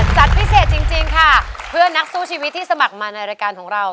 จัดพิเศษจริงค่ะเพื่อนนักสู้ชีวิตที่สมัครมาในรายการของเรา